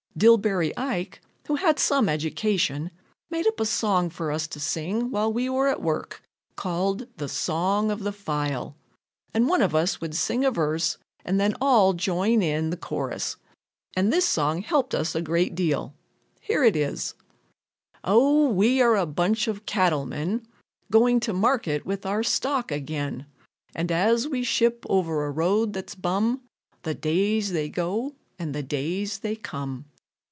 Dillbery Ike, who had some education, made up a song for us to sing while we were at work, called "The Song of the File," and one of us would sing a verse and then all join in the chorus, and this song helped us a great deal. Here it is: Oh! we are a bunch of cattlemen. Going to market with our stock again, And, as we ship over a road that's bum, The days they go and the days they come.